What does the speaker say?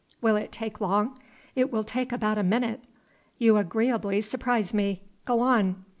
"Will it take long?" "It will take about a minute." "You agreeably surprise me. Go on."